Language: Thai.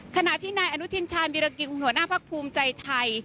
ขณะที่นายอนุทินชาญวิรากิมหัวหน้าพักภูมิใจไทย